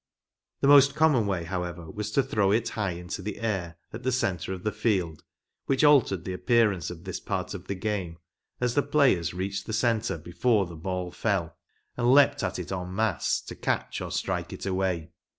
The most common way, however, was to throw it high into the air in the centre of the field, which altered the appearance of this part of the game, as the players reached the centre before the ball fell, and leaped at it en masse to catch or strike it away.